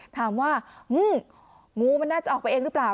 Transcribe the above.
ถามว่างูมันน่าจะออกไปเองหรือเปล่า